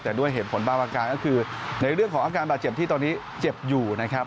แต่ด้วยเหตุผลบางอาการก็คือในเรื่องของอาการบาดเจ็บที่ตอนนี้เจ็บอยู่นะครับ